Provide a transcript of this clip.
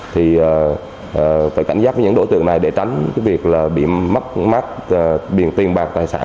thì phải cảnh giác với những đối tượng này để tránh việc bị mắc mắc biển tiền bạc tài sản